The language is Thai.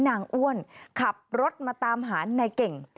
อ้วนขับรถมาตามหานายเก่ง